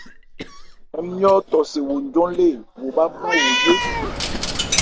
Ńmjɔ́ tɔ se wo njɔn lê wo bhâ bhá wo yé.